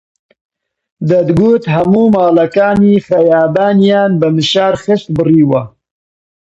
دەتگوت هەموو ماڵەکانی خەیابانیان بە مشار خشت بڕیوە